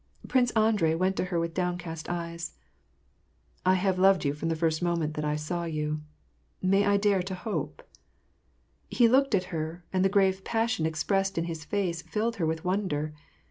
Prince Andrei went to her with downcast eyes :—" I have loved you from the first moment that I saw you. May I dare to hope ?" He looked at her, and the grave passion expressed in his face filled her with wonder.